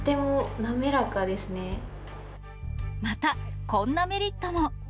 また、こんなメリットも。